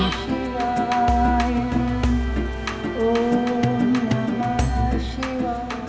โอมนามังชิวาย